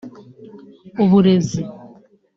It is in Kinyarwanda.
Uburezi